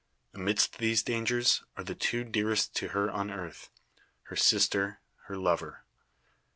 Amidst these dangers are the two dearest to her on earth; her sister, her lover.